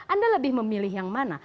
anda lebih memilih yang mana